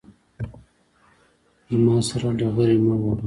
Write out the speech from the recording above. ما سره ډغرې مه وهه